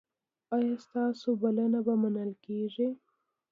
ایا ستاسو بلنه به منل کیږي؟